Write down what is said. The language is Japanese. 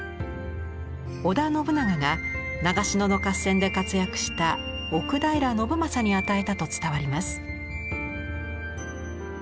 織田信長が長篠の合戦で活躍した奥平信昌に与えたと伝わります。